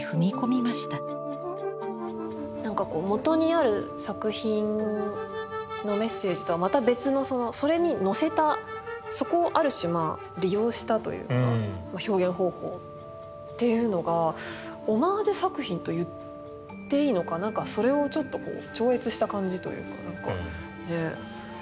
なんかこうもとにある作品のメッセージとはまた別のそれにのせたそこをある種利用したというか表現方法っていうのがオマージュ作品と言っていいのかなんかそれをちょっと超越した感じというかなんかねえ。